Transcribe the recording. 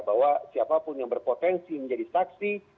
bahwa siapapun yang berpotensi menjadi saksi